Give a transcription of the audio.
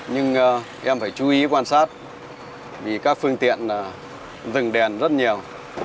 nhưng em phải chú ý quan sát vì các phương tiện dừng đèn rất nhiều